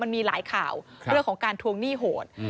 มันมีหลายข่าวเรื่องของการทวงหนี้โหด